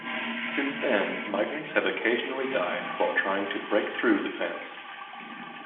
Since then, migrants have occasionally died while trying to break through the fence.